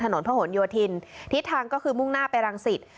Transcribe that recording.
ถนนพระหลโยธินทิศทางก็คือมุ่งหน้าไปรังสิต